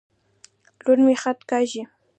لور مي خط کاږي.